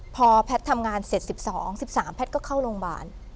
พอแพทย์ทำงานเสร็จ๑๒๑๓แพทย์ก็เข้าโรงพยาบาล